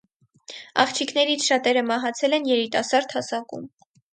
Աղջիկներից շատերը մահացել են երիտասարդ հասակում։